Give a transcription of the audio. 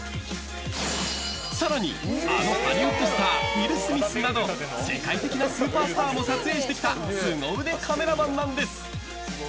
更に、あのハリウッドスターウィル・スミスなど世界的なスーパースターも撮影してきた凄腕カメラマンなんです。